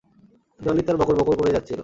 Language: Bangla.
ডলি তার বকর বকর করেই যাচ্ছিলো।